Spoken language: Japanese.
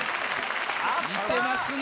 似てますね。